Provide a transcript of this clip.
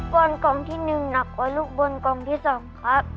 กล่องกล่องที่หนึ่งหนักกว่าลูกบนกล่องที่สองครับ